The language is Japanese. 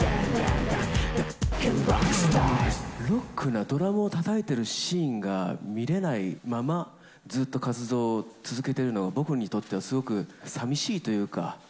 ＹＯＳＨＩＫＩがドラムをたたいてるシーンが見れないまま、ずっと活動を続けてるのが、僕にとってはすごくさみしいというか。